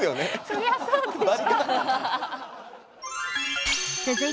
そりゃそうでしょう。